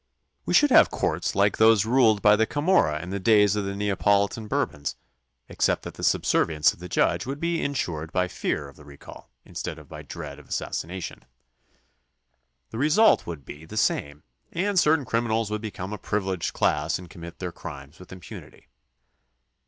We should have courts like those ruled by the Camorra in the days of the NeapoHtan Bourbons except that the subservience of the judge would be insured by fear of the recall instead of by dread of assassination. The 78 THE CONSTITUTION AND ITS MAKERS result would be the same and certain criminals would become a privileged class and commit their crimes with impunity.